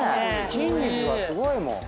筋肉がすごいもん。